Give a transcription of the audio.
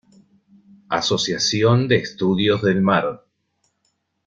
Asociación de Estudios del Mar.